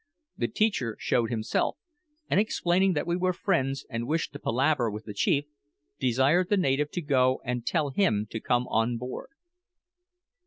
The teacher showed himself, and explaining that we were friends and wished to palaver with the chief, desired the native to go and tell him to come on board.